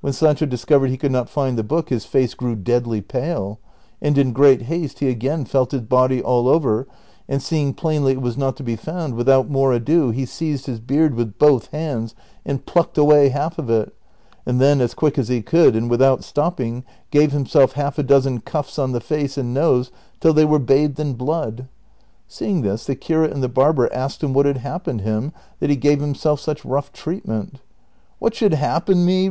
When Sancho discovered he could not find the book his face grew deadly pale, and in great haste he again felt his body all over, and seeing plainly it was not to be found, without more ado he seized his beard with both hands and plucked away half of it, and then, as quick as he could and without stopping, gave himself half a dozen cuffs on the face and nose till they were bathed in blood. Seeing this, the curate and the barber asked him what had happened him that he gave himself such rough treatment. '^ What should happen me